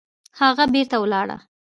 هغه بېرته ولاړه